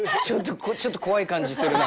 ちょっと怖い感じするな。